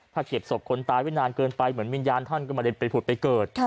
ถ้าเขียบศพคนตายไว้นานเกินไปเหมือนวิญญาณท่านก็ไม่ได้ไปผุดไปเกิด